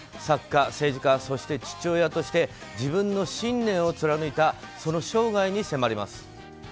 作家、政治家、そして父親として自分の信念を貫いたその生涯に迫ります。